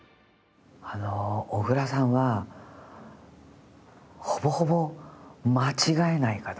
あの小倉さんはほぼほぼ間違えない方ですね。